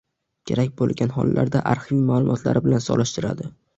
kerak bo‘lgan hollarda arxiv ma’lumotlari bilan solishtiradi.